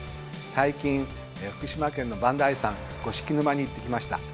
最近福島県の磐梯山五色沼に行ってきました。